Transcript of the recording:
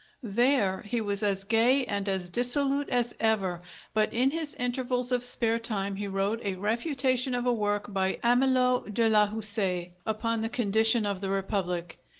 There he was as gay and as dissolute as ever, but in his intervals of spare time he wrote a refutation of a work by Amelot de la Houssaye upon the condition of the Republic.